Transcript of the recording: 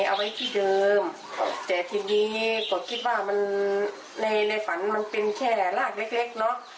เอาไว้ที่เดิมครับแต่ทีนี้ก็คิดว่ามันในในฝันมันเป็นแค่รากเล็กเล็กเนอะ